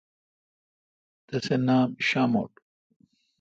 تسے نام شاموٹ۔